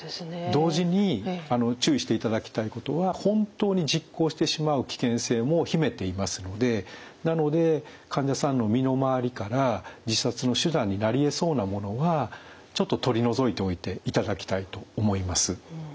同時に注意していただきたいことは本当に実行してしまう危険性も秘めていますのでなので患者さんの身の回りから自殺の手段になりえそうなものはちょっと取り除いておいていただきたいと思います。